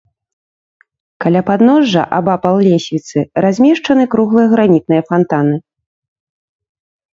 Каля падножжа, абапал лесвіцы, размешчаны круглыя гранітныя фантаны.